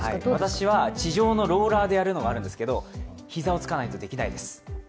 私は地上のローラーでやるのがあるんですけど、膝をつかないとできないです。